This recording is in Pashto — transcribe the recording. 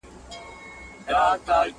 حقیقت به درته وایم که چینه د ځوانۍ را کړي؛